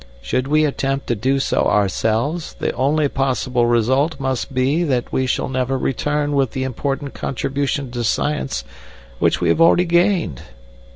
Should we attempt to do so ourselves, the only possible result must be that we shall never return with the important contribution to science which we have already gained.